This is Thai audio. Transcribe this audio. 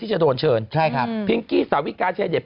อึกอึกอึกอึกอึก